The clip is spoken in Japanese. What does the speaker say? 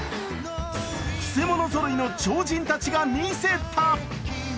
くせ者ぞろいの超人たちが見せた！